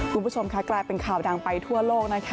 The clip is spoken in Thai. คุณผู้ชมค่ะกลายเป็นข่าวดังไปทั่วโลกนะคะ